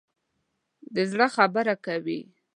د زړه خبره کوي.